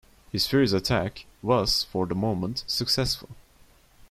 His furious attack was for the moment successful.